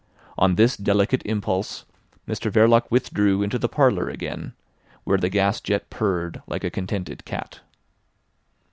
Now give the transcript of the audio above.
On this delicate impulse Mr Verloc withdrew into the parlour again, where the gas jet purred like a contented cat.